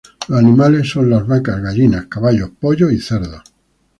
Los animales son las vacas, gallinas, caballos, pollos y cerdos.